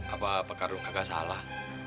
apa pak kardun kagak salah